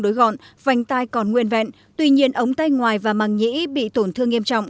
đối gọn vành tai còn nguyên vẹn tuy nhiên ống tay ngoài và màng nhĩ bị tổn thương nghiêm trọng